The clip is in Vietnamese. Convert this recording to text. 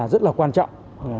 rất là quan trọng